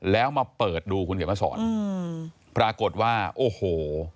แล้วมาเปิดดูคุณเขียนมาสอนอืมปรากฏว่าโอ้โห